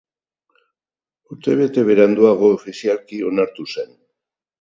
Urtebete beranduago ofizialki onartu zen.